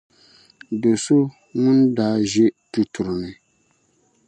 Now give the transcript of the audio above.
do’ so ŋun daa ʒe tuturi ni.